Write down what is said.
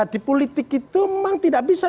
di politik itu memang tidak bisa